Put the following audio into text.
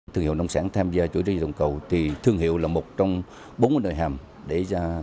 thương hiệu nông sản tham gia chuỗi giá trị toàn cầu thì thương hiệu là một trong bốn nội hàm để